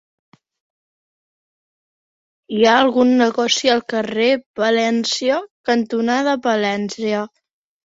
Hi ha algun negoci al carrer Palència cantonada Palència?